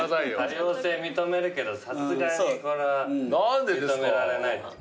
多様性認めるけどさすがにこれは。何でですか。